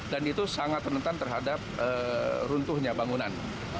dan itu sangat menentang terhadap runtuhnya bangunan